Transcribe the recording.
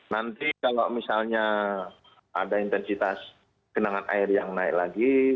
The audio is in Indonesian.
nanti kalau misalnya ada intensitas kenangan air yang naik lagi